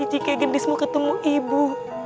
jika gendis mau ketemu ibu